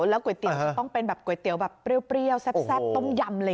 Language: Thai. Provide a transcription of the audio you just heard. แล้วก๋วยเตี๋ยวจะต้องเป็นแบบก๋วยเตี๋ยวแบบเปรี้ยวแซ่บต้มยำเลย